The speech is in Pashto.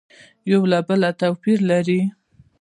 یو له بله تو پیر لري